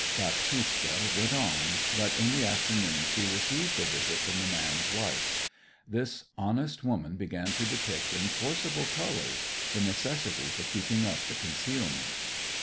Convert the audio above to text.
Baptista went on, but in the afternoon she received a visit from the man's wife. This honest woman began to depict, in forcible colours, the necessity for keeping up the concealment.